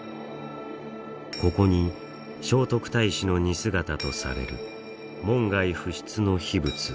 ここに、聖徳太子の似姿とされる門外不出の秘仏